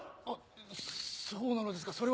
あっそうなのですか